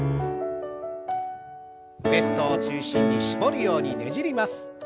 ウエストを中心に絞るようにねじります。